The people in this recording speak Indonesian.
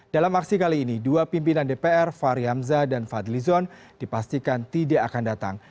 dalam aksi kali ini dua pimpinan dpr fahri hamzah dan fadlizon dipastikan tidak akan datang